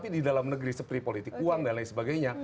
di dalam negeri seperti politik uang dan lain sebagainya